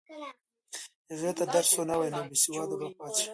که ته درس ونه وایې نو بېسواده به پاتې شې.